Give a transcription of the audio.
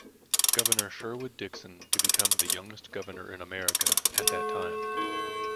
Governor Sherwood Dixon to become the youngest governor in America at that time.